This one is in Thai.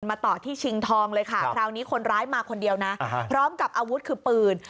ต่อที่ชิงทองเลยค่ะคราวนี้คนร้ายมาคนเดียวนะพร้อมกับอาวุธคือปืน